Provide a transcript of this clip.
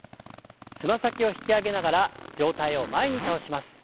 つま先を引き上げながら上体を前に倒します。